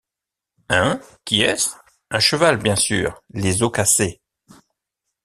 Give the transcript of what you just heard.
Hein? qui est-ce ? un cheval bien sûr, les os cassés!